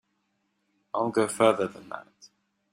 I'll go further than that.